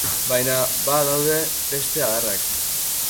Baina ba daude beste adarrak.